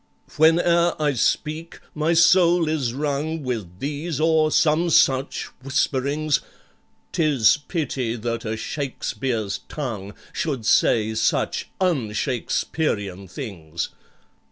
"Whene'er I speak, my soul is wrung With these or some such whisperings: ''Tis pity that a SHAKESPEARE'S tongue Should say such un Shakesperian things!